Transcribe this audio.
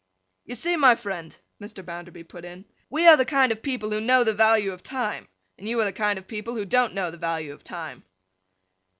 'You see, my friend,' Mr. Bounderby put in, 'we are the kind of people who know the value of time, and you are the kind of people who don't know the value of time.